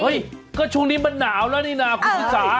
ก็ช่วงนี้มันหนาวแล้วนี่นะคุณชิสา